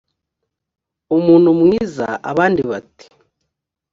umuntu mwiza abandi bati